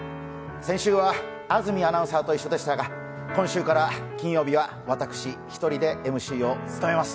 先週は安住アナウンサーと一緒でしたが、金曜日は私一人でＭＣを務めます。